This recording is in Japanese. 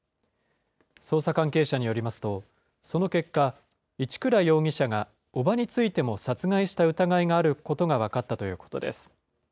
捜査関係者によりますと、その結果、一倉容疑者が伯母についても殺害した疑いがあることが分かったということです。